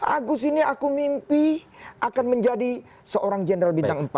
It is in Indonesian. agus ini aku mimpi akan menjadi seorang jenderal bintang empat